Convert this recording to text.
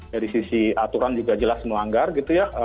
dari sisi aturan juga jelas melanggar gitu ya